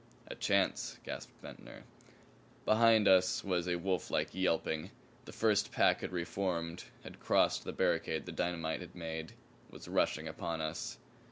"A chance!" gasped Ventnor. Behind us was a wolflike yelping. The first pack had re formed; had crossed the barricade the dynamite had made; was rushing upon us.